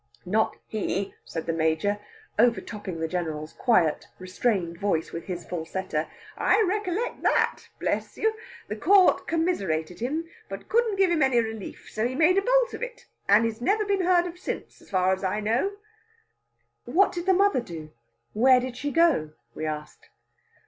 "Not he," said the Major, overtopping the General's quiet, restrained voice with his falsetto. "I recollect that, bless you! The Court commiserated him, but couldn't give him any relief. So he made a bolt of it. And he's never been heard of since, as far as I know." "What did the mother do? Where did she go?" we asked.